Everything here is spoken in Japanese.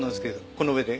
この上で。